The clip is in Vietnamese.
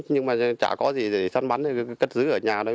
nhưng mà chả có gì để săn bắn cứ cất giữ ở nhà thôi